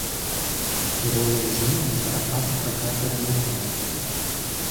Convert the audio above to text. У суровыя зімы на перакатах рака перамярзае.